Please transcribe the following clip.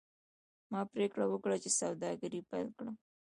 ما پریکړه وکړه چې سوداګري پیل کړم.